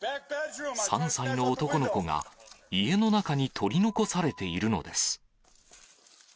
３歳の男の子が、家の中に取り残されているのです。